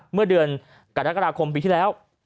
เมื่อเดือนกรกฎาคมปีที่แล้ว